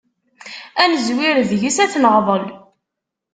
Ad nezwir deg-s ad t-neɣḍel.